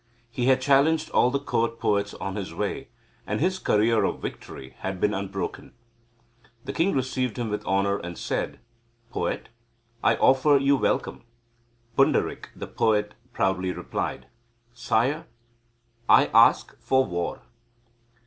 He had challenged all the court poets on his way, and his career of victory had been unbroken. The king received him with honour, and said: "Poet, I offer you welcome." Pundarik, the poet, proudly replied: "Sire, I ask for war."